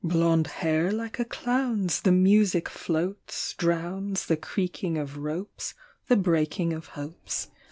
Blond hair like a clown's The music floats, drowns The creaking of ropes, The breaking of hopes.